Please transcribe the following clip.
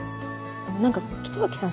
何か北脇さん